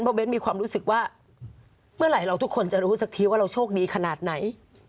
เพราะเน้นมีความรู้สึกว่าเมื่อไหร่เราทุกคนจะรู้สักทีว่าเราโชคดีขนาดไหน